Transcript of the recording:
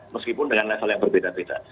meskipun dengan level yang berbeda beda